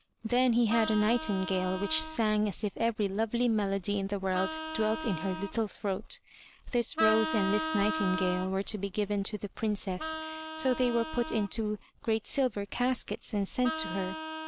Then he had a nightingale which sang as if every lovely melody in the world dwelt in her little throat. This rose and this night ingale were to be given to the Princess, so they were put into great silver caskets and sent to her.